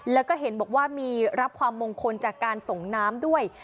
แล้วก็เห็นบอกว่ามีรับความมงคลจากการส่งน้ำด้วย